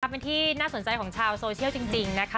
เป็นที่น่าสนใจของชาวโซเชียลจริงนะคะ